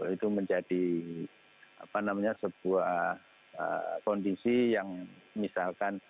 itu menjadi sebuah kondisi yang misalkan